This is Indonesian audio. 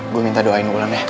gue minta doain ulan ya